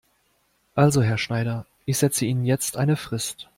Also Herr Schneider, ich setze Ihnen jetzt eine Frist.